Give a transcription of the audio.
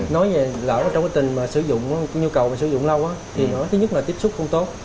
nói như vậy là trong cái tình mà sử dụng cái nhu cầu mà sử dụng lâu á thì nó thứ nhất là tiếp xúc không tốt